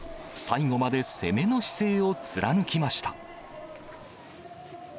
最後まで攻めの姿勢を貫きました。